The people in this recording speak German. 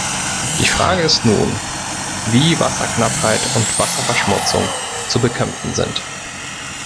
Die Frage ist nun, wie Wasserknappheit und Wasserverschmutzung zu bekämpfen sind.